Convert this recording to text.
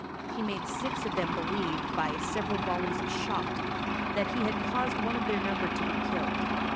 He made six of them believe, by "several volleys of shot," that he had caused one of their number to be killed.